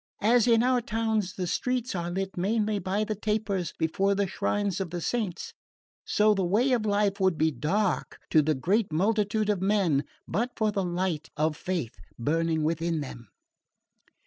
As, in our towns, the streets are lit mainly by the tapers before the shrines of the saints, so the way of life would be dark to the great multitude of men but for the light of faith burning within them..."